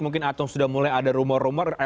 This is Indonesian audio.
mungkin atau sudah mulai ada rumor rumor